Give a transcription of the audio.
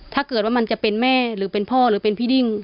ถ้าเกิดว่ามันจะเป็นแม่หรือเป็นพ่อหรือเป็นพี่ดิ้ง